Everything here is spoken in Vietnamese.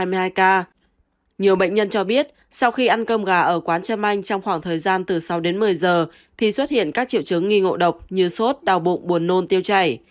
nhiều bệnh nhân cho biết sau khi ăn cơm gà ở quán trâm anh trong khoảng thời gian từ sáu đến một mươi giờ thì xuất hiện các triệu chứng nghi ngộ độc như sốt đau bụng buồn nôn tiêu chảy